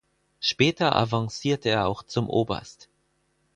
Später avancierte er auch zum Oberst.